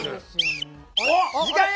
おっ時間や！